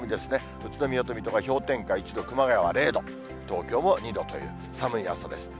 宇都宮と水戸が氷点下１度、熊谷は０度、東京も２度という寒い朝です。